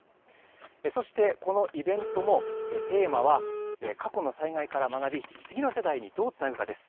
そしてこのイベントもテーマは、過去の災害から学び、次の世代にどうつなぐかです。